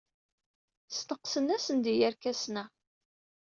Sneqsen-asen-d i yerkasen-a.